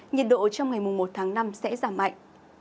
nhiệt độ trong ngày một tháng năm sẽ giảm mạnh